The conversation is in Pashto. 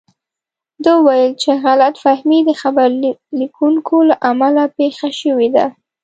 ده وویل چې غلط فهمي د خبر لیکونکو له امله پېښه شوې ده.